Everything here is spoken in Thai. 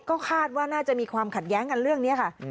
ก็คาดว่าน่าจะมีความขัดแย้งกันเรื่องนี้ค่ะ